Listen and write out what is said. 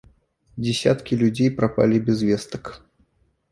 Дзесяткі людзей прапалі без вестак.